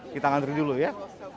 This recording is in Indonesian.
kita ngantri dulu ya